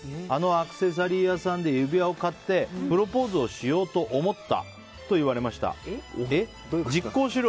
で、あのアクセサリー屋さんで指輪を買ってプロポーズしようと思った。